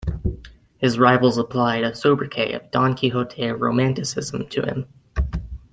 His rivals applied a sobriquet of "Don Quixote of Romanticism" to him.